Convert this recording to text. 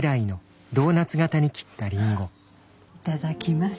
いただきます。